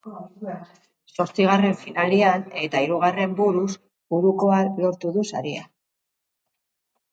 Zortzigarren finalean eta hirugarren buruz burukoan lortu du saria.